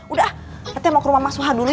udah tete mau ke rumah mas suha dulu ya